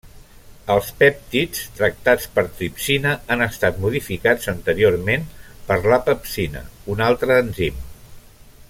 Els pèptids tractats per tripsina han estat modificats anteriorment per la pepsina, un altre enzim.